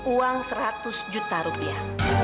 uang seratus juta rupiah